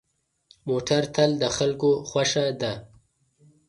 موټر تل د خلکو خوښه ده.